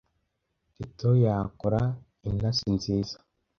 Tito yakora intasi nziza.